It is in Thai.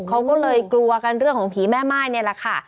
เขาก็เลยกลัวกันเรื่องของผีแม่ม่ายนี่แหละค่ะ